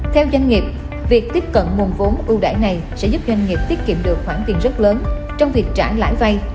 theo doanh nghiệp việc tiếp cận nguồn vốn ưu đại này sẽ giúp doanh nghiệp tiết kiệm được khoản tiền rất lớn trong việc trả lãi vay